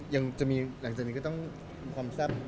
ยังจะมีหลังจากนี้ก็ต้องความทรัพย์